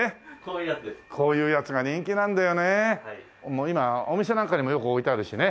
もう今お店なんかにもよく置いてあるしね。